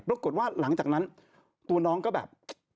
ปรากฏว่าหลังจากนั้นตัวน้องก็แบบ